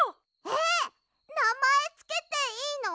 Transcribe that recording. えっなまえつけていいの？